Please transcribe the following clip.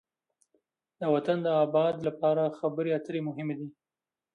د وطن د آباد لپاره خبرې اترې مهمې دي.